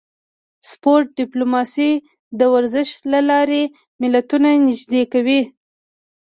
سپورت ډیپلوماسي د ورزش له لارې ملتونه نږدې کوي